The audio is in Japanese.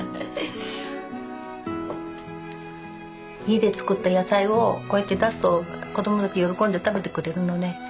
家で作った野菜をこうやって出すと子どもたち喜んで食べてくれるのね。